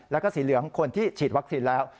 แล้วก็สีเหลืองคนที่ฉีดวัคซีนแล้ว